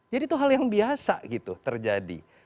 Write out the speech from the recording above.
jadi itu hal yang biasa gitu terjadi